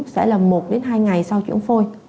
sẽ là một đến hai ngày sau chuyển phôi